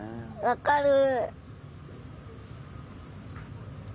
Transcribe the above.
分かる。